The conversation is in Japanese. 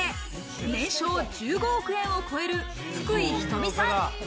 年商１５億円を超える福井仁美さん。